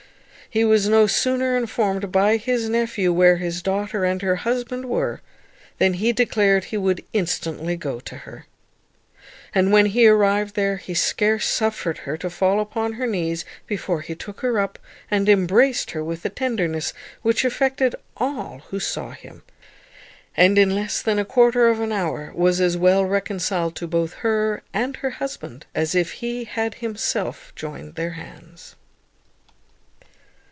He was no sooner informed by his nephew where his daughter and her husband were, than he declared he would instantly go to her. And when he arrived there he scarce suffered her to fall upon her knees before he took her up, and embraced her with a tenderness which affected all who saw him; and in less than a quarter of an hour was as well reconciled to both her and her husband as if he had himself joined their hands.